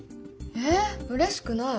えうれしくない。